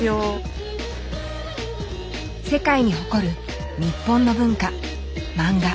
世界に誇る日本の文化マンガ。